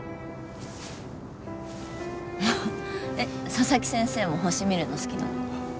佐々木先生も星見るの好きなの？